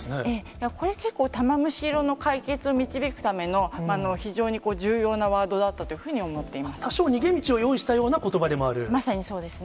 だからこれ、結構、玉虫色の解決を導くための非常に重要なワードだったというふうに多少、逃げ道を用意したようまさにそうですね。